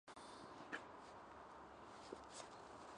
Què hi impera en aquests moments, diu?